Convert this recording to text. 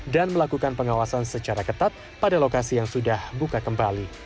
dan melakukan pengawasan secara ketat pada lokasi yang sudah buka kembali